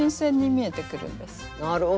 なるほどね。